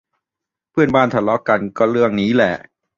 เพื่อนบ้านทะเลาะกันก็เรื่องนี้แหละ